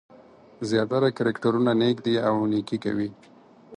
زیاتره کرکټرونه نېک دي او نېکي کوي.